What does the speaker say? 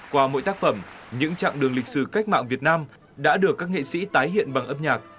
qua mỗi tác phẩm những chặng đường lịch sử cách mạng việt nam đã được các nghệ sĩ tái hiện bằng âm nhạc